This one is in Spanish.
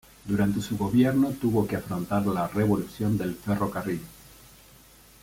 Durante su gobierno tuvo que afrontar la ""Revolución del Ferrocarril"".